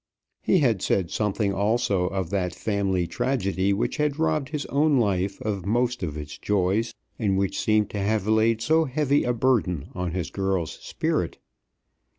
He had said something also of that family tragedy which had robbed his own life of most of its joys, and which seemed to have laid so heavy a burden on his girl's spirit.